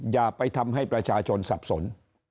อย่าไปทำให้ประชาชนสับสน